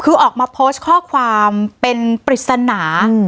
คือออกมาโพสต์ข้อความเป็นปริศนา